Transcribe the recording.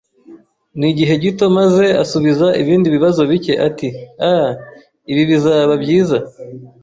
nigihe gito, maze asubiza ibindi bibazo bike, ati: "Ah," ibi bizaba byiza